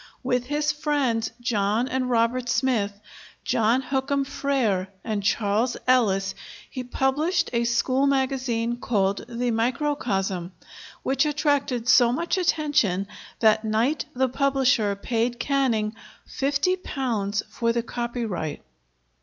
With his friends John and Robert Smith, John Hookham Frere, and Charles Ellis, he published a school magazine called The Microcosm, which attracted so much attention that Knight the publisher paid Canning £50 for the copyright.